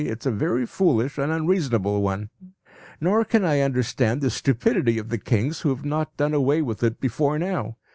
It is a very foolish and unreasonable one. Nor can I understand the stupidity of the kings who have not done away with it before now.